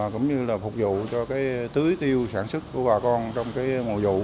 cũng như phục vụ cho tứ tiêu sản xuất của bà con trong mùa vụ